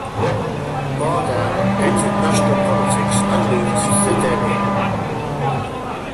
Bardhan entered national politics and moved to Delhi.